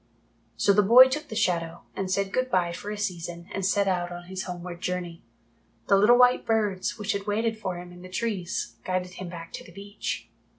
So the boy took the Shadow, and said good bye for a season and set out on his homeward journey. The little white birds, which had waited for him in the trees, guided him back to the beach.